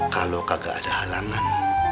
kalau gak ada halangan